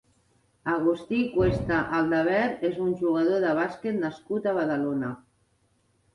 Agustí Cuesta Aldavert és un jugador de bàsquet nascut a Badalona.